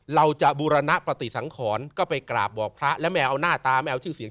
บูรณปฏิสังขรก็ไปกราบบอกพระแล้วไม่เอาหน้าตาไม่เอาชื่อเสียง